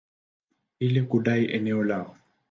ili kudai eneo lao.